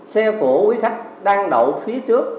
xe của quý khách đang đậu phía trước